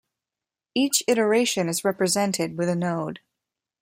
Each iteration is represented with a node.